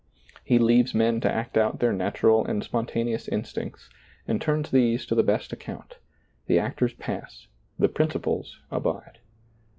He leaves men to act out their natural and spontaneous instincts and turns these ^lailizccbvGoOglf RAHAB 45 to the best account — the actors pass, the princi ples abide.